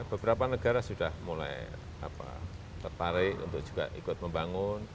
beberapa negara sudah mulai tertarik untuk juga ikut membangun